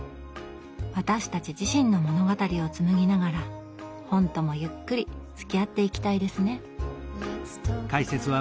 私たち自身の物語を紡ぎながら本ともゆっくりつきあっていきたいですね